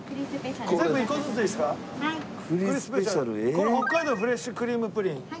これ北海道フレッシュクリームプリン。